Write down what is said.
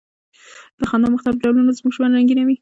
د خندا مختلف ډولونه زموږ ژوند رنګینوي.